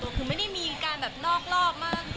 คุณไม่ได้มีการนอกรอบมั้ง